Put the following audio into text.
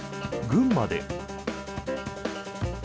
群馬で。